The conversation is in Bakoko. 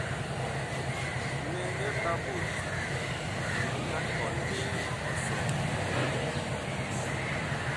Mɛnɛ ɓa ɓot mini nga kɔn ɓe ɔsɔn.